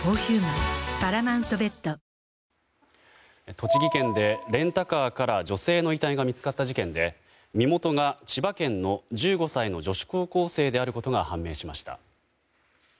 栃木県でレンタカーから女性の遺体が見つかった事件で身元が千葉県の１５歳の女子高校生であることが判明しました。